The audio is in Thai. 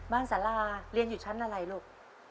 สาราเรียนอยู่ชั้นอะไรลูก